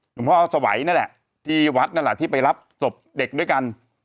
หลวงพ่อสวัยนั่นแหละที่วัดนั่นแหละที่ไปรับศพเด็กด้วยกัน